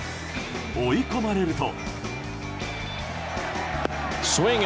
追い込まれると。